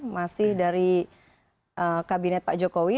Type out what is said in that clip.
masih dari kabinet pak jokowi